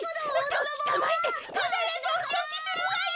とっつかまえてかならずおしおきするわよ！